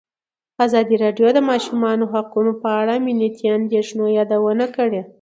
ازادي راډیو د د ماشومانو حقونه په اړه د امنیتي اندېښنو یادونه کړې.